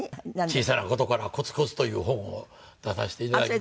『小さなことからコツコツと』という本を出させていただきまして。